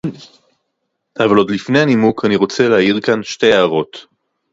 אבל עוד לפני הנימוק אני רוצה להעיר כאן שתי הערות